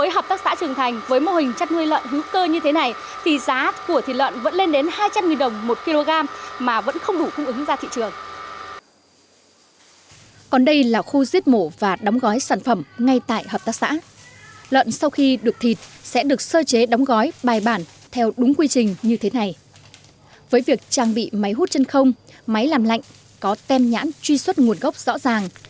hợp tác hữu cơ đã được thực hiện rất bài bản